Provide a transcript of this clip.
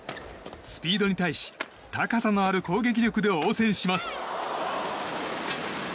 スピードに対し高さのある攻撃力で応戦します。